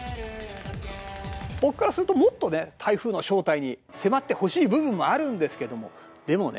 僕からするともっとね台風の正体に迫ってほしい部分もあるんですけどもでもね